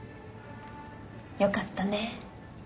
よかったね。